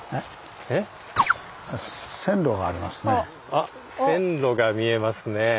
あっ線路が見えますねぇ。